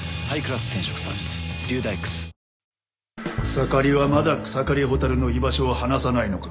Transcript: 草刈はまだ草刈蛍の居場所を話さないのか。